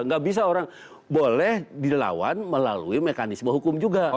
nggak bisa orang boleh dilawan melalui mekanisme hukum juga